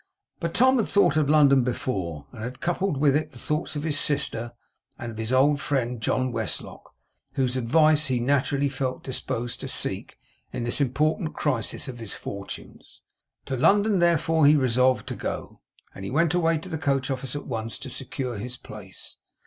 But Tom had thought of London before, and had coupled with it thoughts of his sister, and of his old friend John Westlock, whose advice he naturally felt disposed to seek in this important crisis of his fortunes. To London, therefore, he resolved to go; and he went away to the coach office at once, to secure his place.